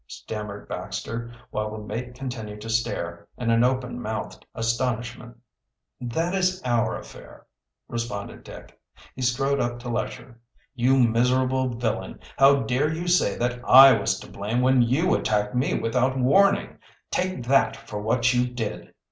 stammered Baxter, while the mate continued to stare, in open mouthed astonishment. "That is our affair," responded Dick. He strode up to Lesher. "You miserable villain. How dare you say that I was to blame when you attacked me without warning? Take that for what you did."